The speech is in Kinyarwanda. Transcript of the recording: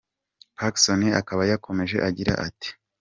Pacson akaba yakomeje agira ati: “.